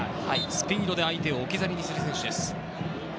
スピードで相手を置き去りにする選手です。